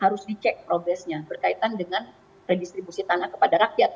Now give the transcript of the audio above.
yang pertama adalah kece progress nya berkaitan dengan redistribusi tanah kepada rakyat